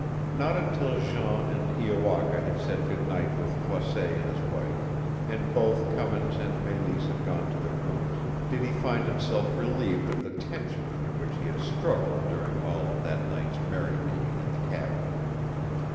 Not until Jean and Iowaka had said good night with Croisset and his wife, and both Cummins and Mélisse had gone to their rooms, did he find himself relieved of the tension under which he had struggled during all of that night's merry making in the cabin.